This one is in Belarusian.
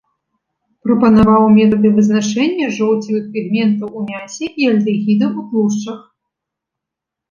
Прапанаваў метады вызначэння жоўцевых пігментаў у мясе і альдэгідаў у тлушчах.